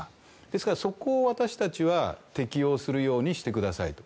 ですから、そこを私たちは適用するようにしてくださいと。